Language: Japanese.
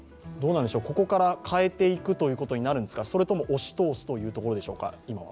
ここから変えていくということになるんですかそれとも押し通すというところでしょうか、今は。